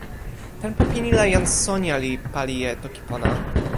tenpo pini la, jan Sonja li pali e toki pona.